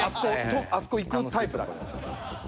あそこ行くタイプだから。